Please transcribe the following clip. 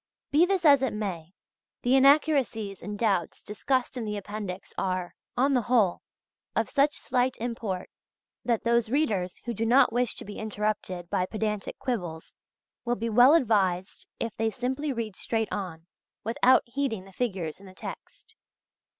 Be this as it may, the inaccuracies and doubts discussed in the appendix are, on the whole, of such slight import, that those readers who do not wish to be interrupted by pedantic quibbles will be well advised if they simply read straight on, without heeding the figures in the text.